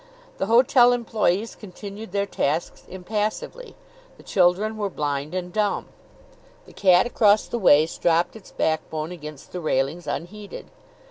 The hotel employees continued their tasks impassively. The children were blind and dumb. The cat across the way stropped its backbone against the railings unheeding.